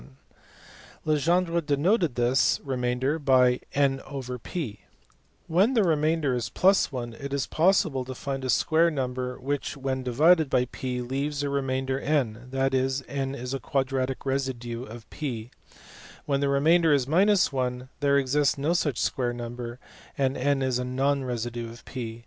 Legendre denoted this remainder by () When the re mainder is + 1 it is possible to find a square number which when divided by p leaves a remainder n, that is, n is a quadratic residue of p ; when the remainder is 1 there exists no such square number, and n is a non residue of p.